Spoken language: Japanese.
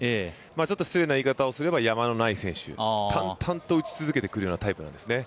ちょっと失礼な言い方をすれば、山のない選手淡々と打ち続けてくるようなタイプなんですよね。